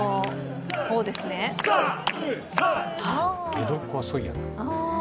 江戸っ子はソイヤ。